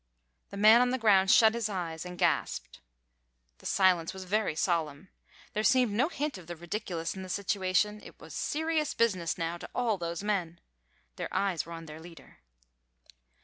The man on the ground shut his eyes and gasped. The silence was very solemn. There seemed no hint of the ridiculous in the situation. It was serious business now to all those men. Their eyes were on their leader.